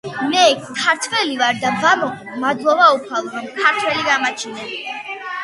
მე ქართველი ვარ და ვამაყობ, მადლობა უფალო რომ ქართველი გამაჩინე!